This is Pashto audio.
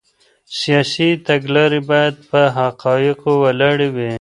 سیاسي تګلارې باید په حقایقو ولاړې وي.